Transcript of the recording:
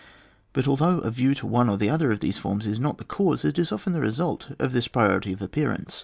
But although a view to one or other of these forms is not the cause, it is often the result of this priority of appearance.